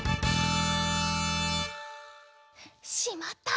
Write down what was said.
しまった！